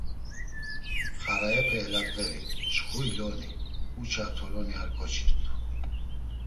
Xarayepe eladveri, mçxu iloni, uça toloni ar ǩoçirt̆u.